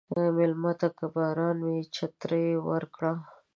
مېلمه ته که باران وي، چترې ورکړه.